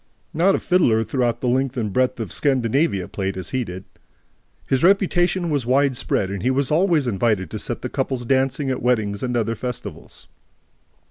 Not a fiddler throughout the length and breadth of Scandinavia played as he did. His reputation was widespread and he was always invited to set the couples dancing at weddings and other festivals.